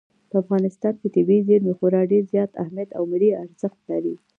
په افغانستان کې طبیعي زیرمې خورا ډېر زیات اهمیت او ملي ارزښت لري.